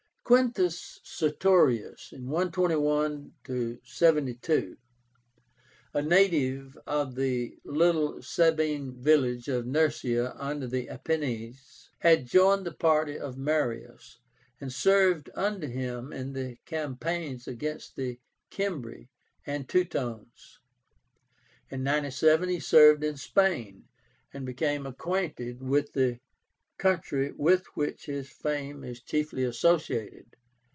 Quintus Sertorius (121 72), a native of the little Sabine village of Nursia under the Apennines, had joined the party of Marius, and served under him in the campaigns against the Cimbri and Teutones. In 97 he served in Spain, and became acquainted with the country with which his fame is chiefly associated.